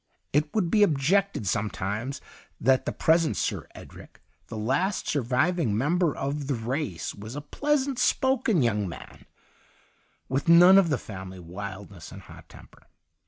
It would be ob jectedj sometimes, that the present Sir Edric, the last surviving member of the race, was a pleasant spoken young man, with none of the family wildness and hot temper.